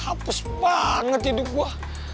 hapus banget hidup gue